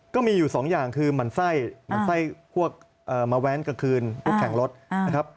ก็มีอยู่สองอย่างคือหมั่นไส้หมั่นไส้พวกมาแว้นกลางคืนพวกแข่งรถนะครับ